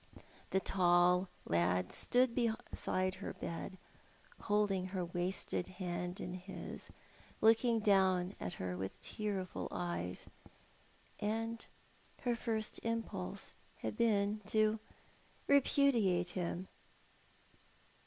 The tall lad stood beside her bed, holding her wasted hand in his, looking down at her with tearful eyes; and her first impulse had been to repudiate him.